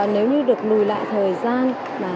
nếu như được lùi lại thời gian